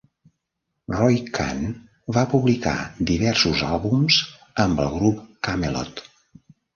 Roy Khan va publicar diversos àlbums amb el grup Kamelot.